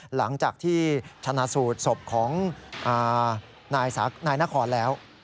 หลังจากที่ชนะสูตรศพของนายนครแล้ว